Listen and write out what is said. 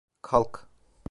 Kalk!